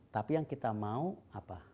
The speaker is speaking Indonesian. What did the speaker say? tapi yang kita mau apa